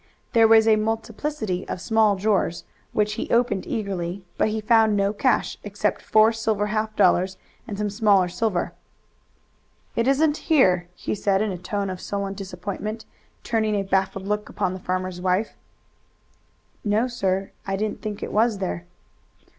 There was a multiplicity of small drawers, which he opened eagerly, but he found no cash except four silver half dollars and some smaller silver. "It isn't here!" he said in a tone of sullen disappointment, turning a baffled look upon the farmer's wife. "No, sir, I didn't think it was there."